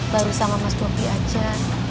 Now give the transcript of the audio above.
baru sama mas bobby aja